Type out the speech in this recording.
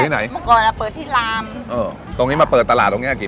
คนที่มาทานอย่างเงี้ยควรจะมาทานแบบคนเดียวนะครับ